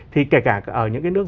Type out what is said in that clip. thì kể cả ở những cái nước